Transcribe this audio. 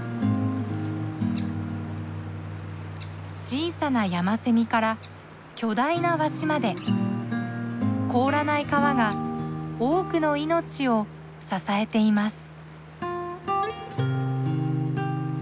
小さなヤマセミから巨大なワシまで凍らない川が多くの命を支えています。